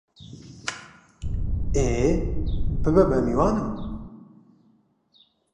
ئێ، ببە بە میوانم!